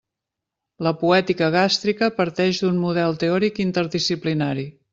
La poètica gàstrica parteix d'un model teòric interdisciplinari.